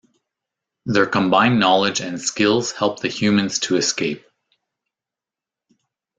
Their combined knowledge and skills help the humans to escape.